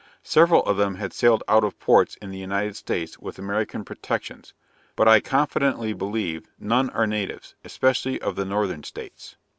Several of them had sailed out of ports in the United States with American protections; but, I confidently believe, none are natives, especially of the northern states.